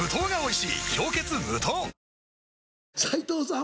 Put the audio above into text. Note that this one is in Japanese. あ斎藤さん